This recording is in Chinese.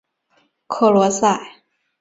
克罗塞。